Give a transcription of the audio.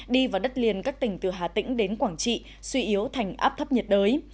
đi vào đất liền các tỉnh từ hà tĩnh đến quảng trị suy yếu thành áp thấp nhiệt đới